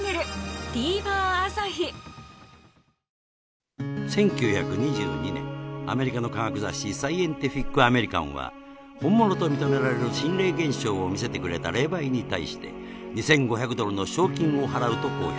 え．．．１９２２年アメリカの科学雑誌『ＳＣＩＥＮＴＩＦＩＣＡＭＥＲＩＣＡＮ』は本物と認められる心霊現象を見せてくれた霊媒に対して２５００ドルの賞金を払うと公表